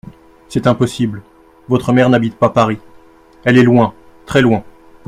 C'est impossible, votre mère n'habite pas Paris ; elle est loin, très loin.